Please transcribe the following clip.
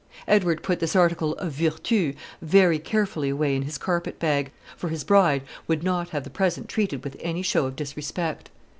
Edward put this article of virtù very carefully away in his carpet bag; for his bride would not have the present treated with any show of disrespect.